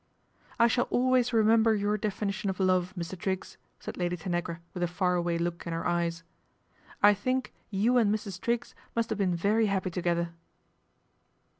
" I shall always remember your definition o! love, Mr. Triggs," said Lady Tanagra with a far away look in her eyes. " I think you and Mrs Triggs must have been very happy together."